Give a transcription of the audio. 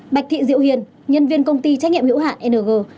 bạch thị diệu hiền nhân viên công ty trách nhiệm hiểu hạn ng